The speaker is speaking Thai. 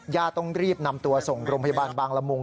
ต้องรีบนำตัวส่งโรงพยาบาลบางละมุง